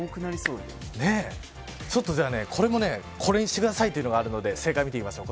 ちょっと、これもこれにしてくださいというのがあるので正解を見てみましょう。